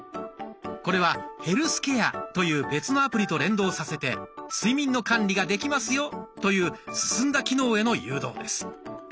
これは「ヘルスケア」という別のアプリと連動させて睡眠の管理ができますよという進んだ機能への誘導です。